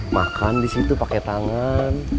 makan di situ pakai tangan